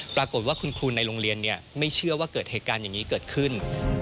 ปรากฏว่าคุณครูในโรงเรียนไม่เชื่อว่าเกิดเหตุการณ์อย่างนี้เกิดขึ้น